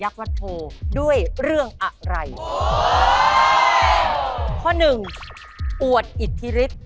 ข้อ๑อวดอิจธิฤทธิ์